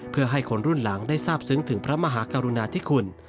เพื่อให้คนรุ่นหลังได้ทราบซึ้งถึงพระมหากรุณาธิคุณ